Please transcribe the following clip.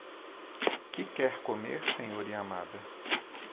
Que quer comer, Sr. Yamada?